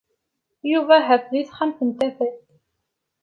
Yuba ha-t di texxamt n Tafat.